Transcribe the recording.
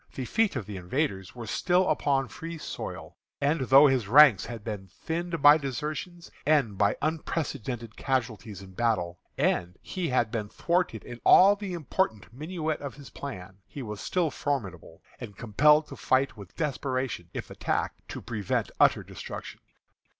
The feet of the invaders were still upon free soil; and though his ranks had been thinned by desertions, and by unprecedented casualties in battle, and he had been thwarted in all the important minutiæ of his plan, he was still formidable, and compelled to fight with desperation, if attacked, to prevent utter destruction.